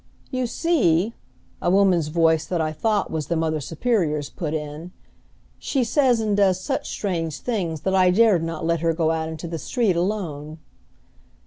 "You see," a woman's voice that I thought was the Mother Superior's, put in, "she says and does such strange things that I dared not let her go out into the street alone."